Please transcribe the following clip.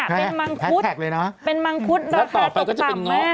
ก่อนหน้านี้เป็นมังคุดเป็นมังคุดราคาตกต่ำมาก